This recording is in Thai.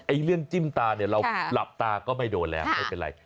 เรื่องจิ้มตาเนี่ยเราหลับตาก็ไม่โดนแล้วไม่เป็นไร